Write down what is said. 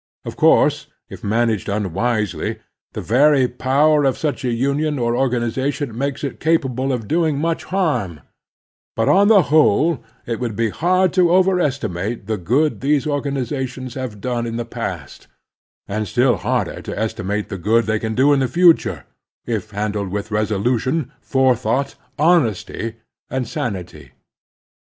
Of course, if managed tmwisely, the very power of such a union or organization makes it capable of doing much harm ; but, on the whole, it would be hard to over estimate the good these organizations have done in the past, and still harder to estimate the good they can do in the futiu^ if handled with resolu tion, forethought, honesty, and sanity.